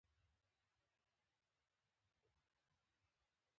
سولر پمپونه د کرنې لپاره کارول کیږي